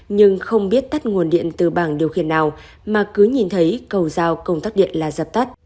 nhưng không biết tắt nguồn điện từ bảng điều khiển nào mà cứ nhìn thấy cầu giao công tác điện là dập tắt